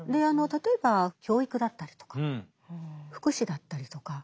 例えば教育だったりとか福祉だったりとか大きいところですね。